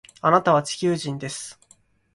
あなたは地球人です